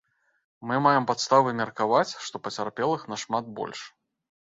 Мы маем падставы меркаваць, што пацярпелых нашмат больш.